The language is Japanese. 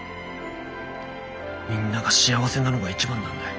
みんなが幸せなのが一番なんだよ。